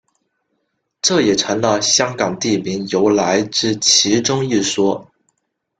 这也成了香港地名由来之其中一说。